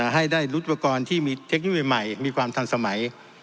ให้ได้รุดปกรณ์ที่มีเทคโนโลยีใหม่มีความทันสมัย